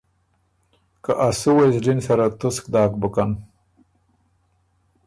که ا سُوئ زلی ن سره تُسک داک بُکن۔